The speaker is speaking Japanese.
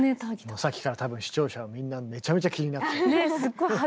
さっきから多分視聴者はみんなめちゃめちゃ気になってた。